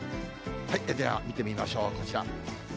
では見てみましょう、こちら。